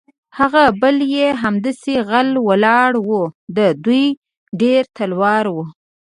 هغه بل یې همداسې غلی ولاړ و، د دوی ډېر تلوار و.